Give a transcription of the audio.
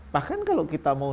bahkan kalau kita mau